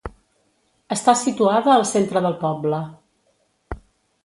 Està situada al centre del poble.